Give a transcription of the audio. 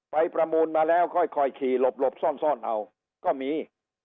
ประมูลมาแล้วค่อยขี่หลบซ่อนเอาก็มี